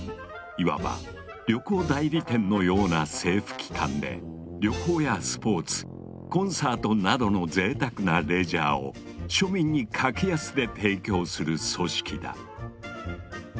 いわば旅行代理店のような政府機関で旅行やスポーツコンサートなどのぜいたくなレジャーを庶民に格安で提供する組織だ。